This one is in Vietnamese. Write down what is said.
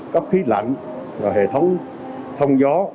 cấp khí lạnh và hệ thống thông gió